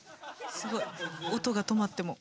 すごい音が止まっても。